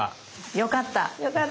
よかった。